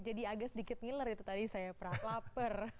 jadi agak sedikit ngiler itu tadi saya lapar